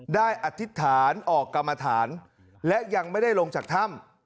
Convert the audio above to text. อธิษฐานออกกรรมฐานและยังไม่ได้ลงจากถ้ำ